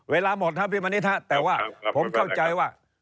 เวลาหมดครับพี่มณิชฮะแต่ว่าผมเข้าใจว่า